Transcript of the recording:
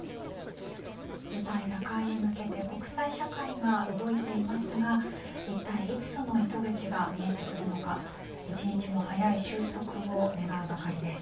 事態打開へ向けて国際社会が動いていますが一体いつ、その糸口が見えてくるのか一日も早い終息を願うばかりです。